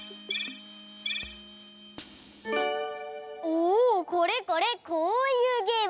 おおこれこれこういうゲーム。